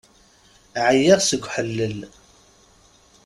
Ɛyiɣ seg uḥellel.